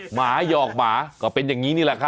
หมาหยอกหมาก็เป็นอย่างนี้นี่แหละครับ